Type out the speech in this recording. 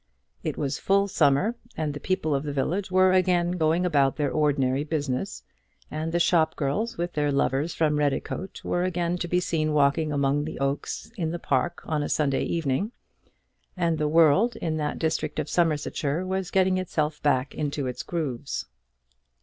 It was full summer, and the people of the village were again going about their ordinary business; and the shop girls, with their lovers from Redicote, were again to be seen walking among the oaks in the park on a Sunday evening; and the world in that district of Somersetshire was getting itself back into its grooves.